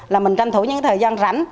là mình tranh thủ những thời gian rảnh